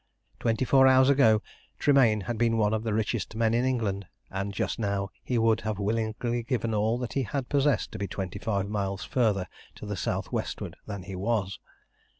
Twenty four hours ago Tremayne had been one of the richest men in England, and just now he would have willingly given all that he had possessed to be twenty five miles further to the south westward than he was.